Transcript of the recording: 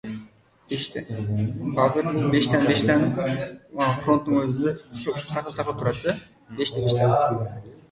Shavkat Mirziyoyev Turkiya Prezidentini tabrikladi